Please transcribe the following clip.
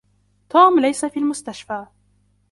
توم ليس في المستشفى.